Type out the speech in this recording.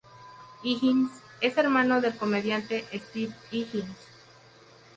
Higgins es hermano del comediante Steve Higgins.